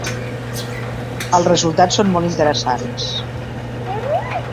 Els resultats són molt interessants.